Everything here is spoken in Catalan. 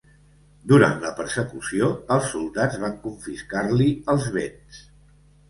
Durant la persecució, els soldats van confiscar-li els béns.